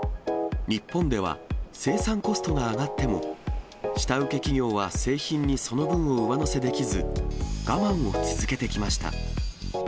日本では、生産コストが上がっても、下請け企業は製品にその分を上乗せできず、我慢を続けてきました。